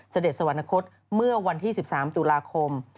เสด็จสวรรคตเมื่อวันที่๑๓ตุลาคม